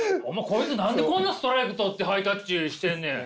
こいつ何でこんなストライク取ってハイタッチしてんねん！